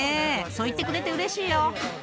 そう言ってくれてうれしいよ］